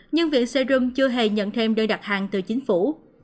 nhưng viện showroom chưa hề nhận thêm đơn đặt hàng từ chính phủ